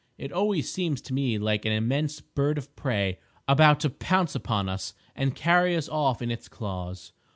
It always seems to me like an immense bird of prey about to pounce upon us and carry us off in its claws.